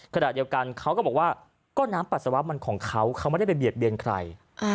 ขณะเดียวกันเขาก็บอกว่าก็น้ำปัสสาวะมันของเขาเขาไม่ได้ไปเบียดเบียนใคร